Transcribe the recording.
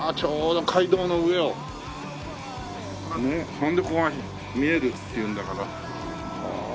それでここが見えるっていうんだから。